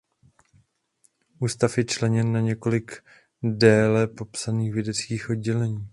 Ústav je členěn na několik dále popsaných vědeckých oddělení.